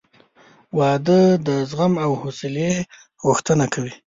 • واده د زغم او حوصلې غوښتنه کوي.